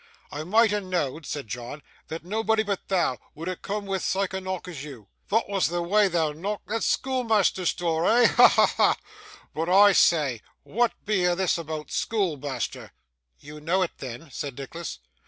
'I might ha' knowa'd,' said John, 'that nobody but thou would ha' coom wi' sike a knock as you. Thot was the wa' thou knocked at schoolmeasther's door, eh? Ha, ha, ha! But I say; wa'at be a' this aboot schoolmeasther?' 'You know it then?' said Nicholas.